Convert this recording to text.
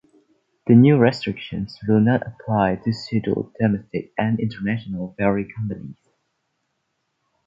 The new restrictions will not apply to scheduled domestic and international ferry companies.